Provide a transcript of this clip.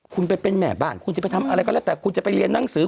คุณไปเป็นแม่บ้านคุณจะไปทำอะไรก็แล้วแต่คุณจะไปเรียนหนังสือ